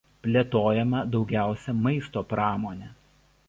Plėtojama daugiausia maisto pramonė.